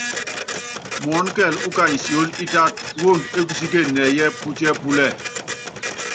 Muɔ́n kɛɛl úkany sióli ítát woond é kusíken nɛɛyɛ́ putiɛ́ púlɛl.